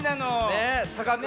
ねえ。